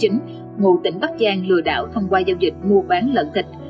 ngụ tỉnh bắc giang lừa đảo thông qua giao dịch mua bán lợn thịt